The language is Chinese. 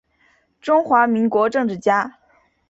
中华民国政治家。